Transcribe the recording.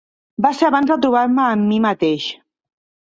Va ser abans de trobar-me a mi mateix!